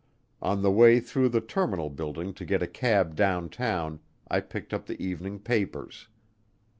On the way through the terminal building to get a cab downtown, I picked up the evening papers.